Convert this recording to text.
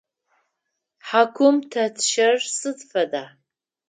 Хьакум тет щэр сыд фэда?